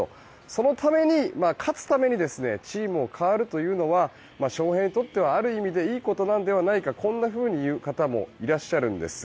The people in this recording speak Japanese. そのために、勝つためにチームを変わるというのは翔平にとってはある意味でいいことなのではないかとこんなふうに言う方もいらっしゃるんです。